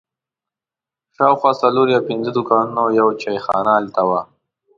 شاوخوا څلور یا پنځه دوکانونه او یوه چای خانه هلته وه.